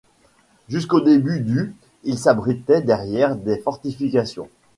Jusqu'au début du ils s'abritaient derrière des fortifications.